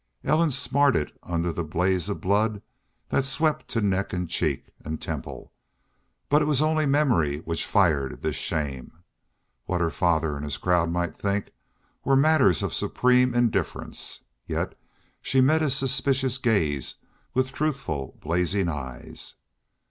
Ellen smarted under the blaze of blood that swept to neck and cheek and temple. But it was only memory which fired this shame. What her father and his crowd might think were matters of supreme indifference. Yet she met his suspicious gaze with truthful blazing eyes.